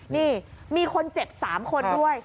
นี่มีคนเจ็บ๓คนด้วย